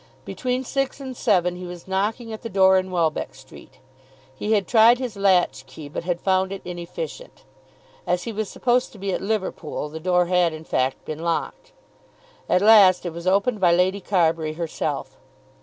Between six and seven he was knocking at the door in Welbeck Street. He had tried his latch key, but had found it inefficient. As he was supposed to be at Liverpool, the door had in fact been locked. At last it was opened by Lady Carbury herself.